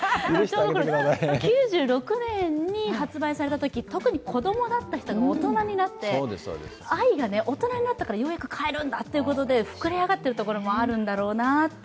９６年に発売されたときに子供だった人が大人になったからようやく買えるんだと愛が膨れ上がっているところがあるんだろうなって。